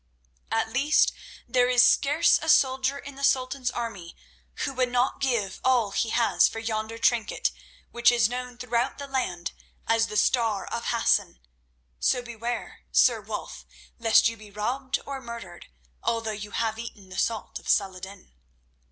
At least there is scarce a soldier in the Sultan's army who would not give all he has for yonder trinket, which is known throughout the land as the Star of Hassan. So beware, Sir Wulf, lest you be robbed or murdered, although you have eaten the salt of Salah ed din."